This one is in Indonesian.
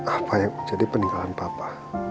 apa yang menjadi peninggalan bapak